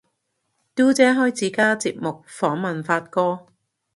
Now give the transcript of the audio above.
嘟姐開自家節目訪問發哥